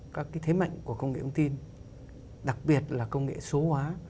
các cái thế mạnh của công nghệ thông tin đặc biệt là công nghệ số hóa